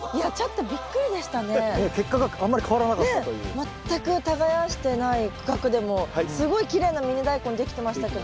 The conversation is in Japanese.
全く耕してない区画でもすごいきれいなミニダイコンできてましたけど。